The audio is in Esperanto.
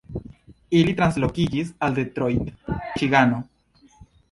Ili translokiĝis al Detroit, Miĉigano.